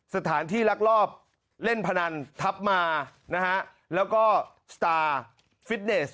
สถานที่ลักลอบเล่นพนันทัพมานะฮะแล้วก็สตาร์ฟิตเนส